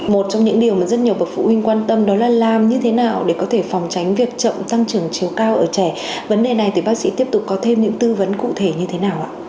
một trong những điều mà rất nhiều bậc phụ huynh quan tâm đó là làm như thế nào để có thể phòng tránh việc chậm tăng trưởng chiều cao ở trẻ vấn đề này thì bác sĩ tiếp tục có thêm những tư vấn cụ thể như thế nào ạ